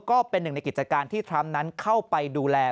ก็เป็นหนึ่งในกิจการที่ทรัมป์นั้นเข้าไปดูแล